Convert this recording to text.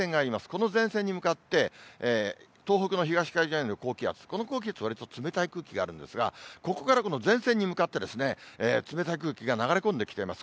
この前線に向かって、東北の東海上にある高気圧、この高気圧、わりと冷たい空気があるんですが、ここからこの前線に向かって冷たい空気が流れ込んできています。